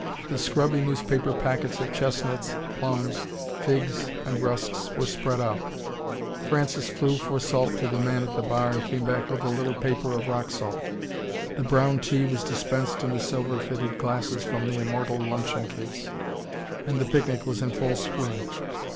The scrubby newspaper packets of chestnuts, plums, figs and rusks were spread out: Francis flew for salt to the man at the bar, and came back with a little paper of rock salt: the brown tea was dispensed in the silver fitted glasses from the immortal luncheon case: and the picnic was in full swing.